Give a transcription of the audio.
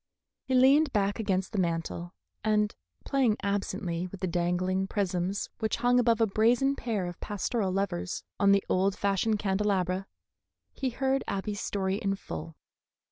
He leaned back against the mantel, and playing absently with the dangling prisms which hung above a brazen pair of pastoral lovers on the old fashioned candelabra, he heard Abby's story in full.